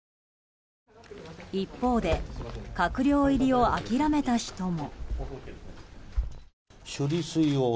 一方で、閣僚入りを諦めた人も。